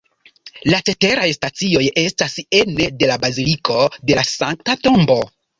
La ceteraj stacioj estas ene de la Baziliko de la Sankta Tombo.